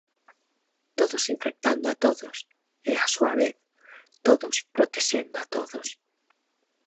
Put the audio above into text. Todos infectando a todos e, a súa vez, todos protexendo a todos.